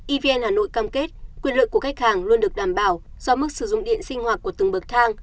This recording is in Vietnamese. evn hà nội cam kết quyền lợi của khách hàng luôn được đảm bảo do mức sử dụng điện sinh hoạt của từng bậc thang